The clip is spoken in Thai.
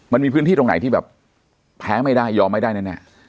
มันมีพื้นที่ตรงไหนที่แบบแพ้ไม่ได้ยอมไม่ได้แน่